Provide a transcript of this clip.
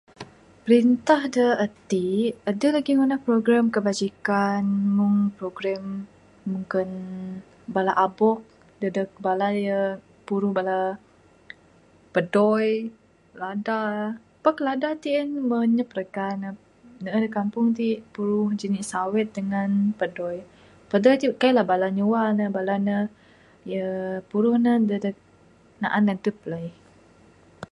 Perintah da ati adeh lagih ngunah program kebajikan meng program mugon bala abok neg bala da puruh bala padoi lada pak lada ti en meh nyap raga ne, neeh da kampung ti puruh sawit uhh dangan padoi. Padoi ti kaiklah bala ne nyua ne bala ne ye puruh ne neg naan adep alai.